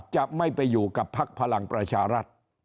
จะไม่ไปอยู่กับพักพลังประชารัฐ